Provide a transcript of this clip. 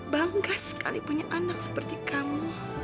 bangga sekali punya anak seperti kamu